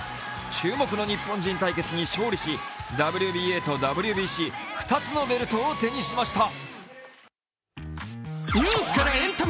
注目の日本人対決に勝利し、ＷＢＡとＷＢＣ、２つのベルトを手にしました。